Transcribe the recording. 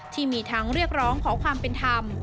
ที่มีทั้งเรียกร้องขอความเป็นธรรม